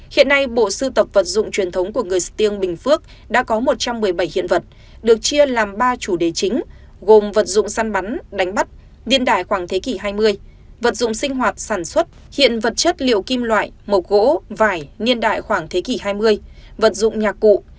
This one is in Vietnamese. hiện nay bộ sưu tập vật dụng truyền thống của người stiêng bình phước đã có một trăm một mươi bảy hiện vật được chia làm ba chủ đề chính gồm vật dụng săn bắn đánh bắt niên đại khoảng thế kỷ hai mươi vật dụng sinh hoạt sản xuất hiện vật chất liệu kim loại mộc gỗ vải niên đại khoảng thế kỷ hai mươi vật dụng nhạc cụ